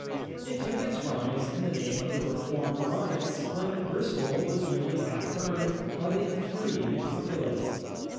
It took its rise in the time of the Reform riots, when Bristol was nearly half burned by the infuriated populace.